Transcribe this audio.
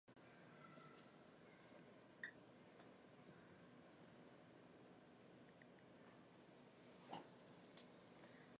书展成为暑期的香港阅读周。